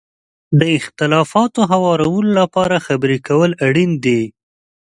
د اختلافاتو هوارولو لپاره خبرې کول اړین دي.